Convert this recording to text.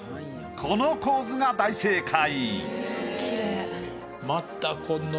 この構図が大正解。